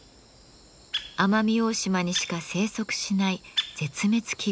奄美大島にしか生息しない絶滅危惧種です。